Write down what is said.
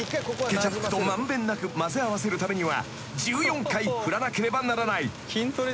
［ケチャップと満遍なく混ぜ合わせるためには１４回振らなければならない］